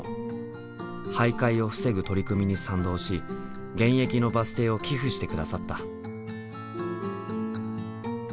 徘徊を防ぐ取り組みに賛同し現役のバス停を寄付して下さった。